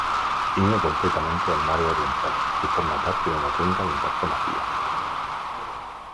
Ciñe completamente al Mare Orientale, y forma parte de una cuenca de impacto masiva.